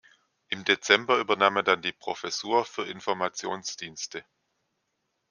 Im Dezember übernahm er dann die Professur für Informationsdienste.